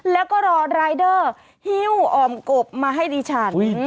แล้วก็รอรายเดอร์ฮิ้วอ่อมกบมาให้ดิฉัน